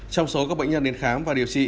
trong số các bệnh nhân đến khám và điều trị